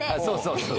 そうそう。